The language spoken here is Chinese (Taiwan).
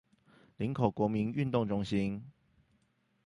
林口國民運動中心